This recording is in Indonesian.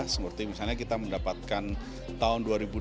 seperti misalnya kita mendapatkan tahun dua ribu dua puluh